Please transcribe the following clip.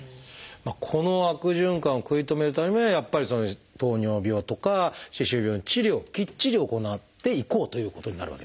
この悪循環を食い止めるためにはやっぱり糖尿病とか歯周病の治療をきっちり行っていこうということになるわけですね。